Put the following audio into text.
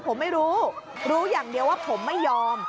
ผมไม่รู้รู้อย่างเดียวว่าผมไม่ยอม